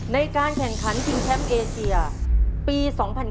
ในการแข่งขันชิงแชมป์เอเชียปี๒๐๒๐